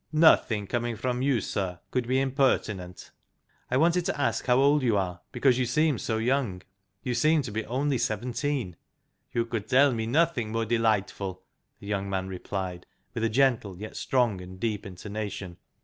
" Nothing coming from you, sir, could be im pertinent." " I wanted to ask how old you are, because you seem so young. You seem to be only seventeen." " You could tell me nothing more delightful," the young man replied, with a gentle, yet strong and deep intonation.